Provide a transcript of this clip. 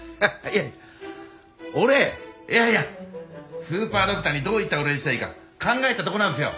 いやいやスーパードクターにどういったお礼をしたらいいか考えてたところなんですよ。